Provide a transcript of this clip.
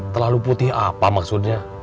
terlalu putih apa maksudnya